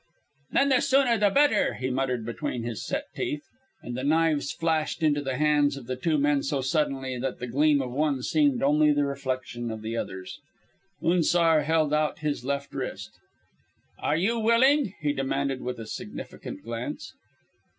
"Then the sooner the better," he muttered between his set teeth, and the knives flashed in the hands of the two men so suddenly that the gleam of one seemed only the reflection of the other. Unzar held out his left wrist. "Are you willing?" he demanded, with a significant glance.